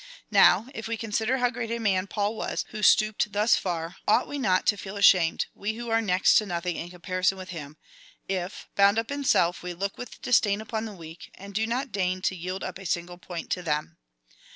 Now, if we consider how great a man Paul was, who stooped thus far, ought we not to feel ashamed — we who are next to nothing in comparison with him — if, bound up in self, we look with disdain upon the weak, and do not deign to yield uj) a single point to them